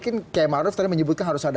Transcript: kayak maruf tadi menyebutkan harus ada halal